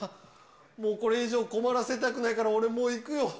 もうこれ以上、困らせたくないから俺もう行くよ。